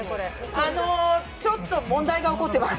あのちょっと問題が起こってます。